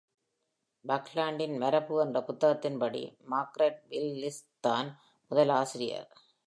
"பக்லான்டின் மரபு" என்ற புத்தகத்தின்படி, மார்கரெட் வில்லிஸ்தான் முதல் ஆசிரியர்.